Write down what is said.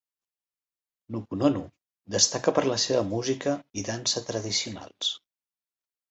Nukunonu destaca per la seva música i dansa tradicionals.